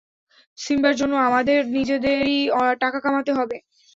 সিম্বার জন্য আমাদের নিজেদেরই টাকা কামাতে হবে।